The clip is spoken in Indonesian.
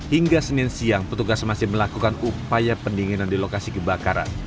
hingga senin siang petugas masih melakukan upaya pendinginan di lokasi kebakaran